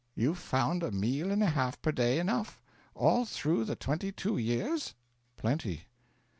'You found a meal and a half per day enough, all through the twenty two years?' 'Plenty.'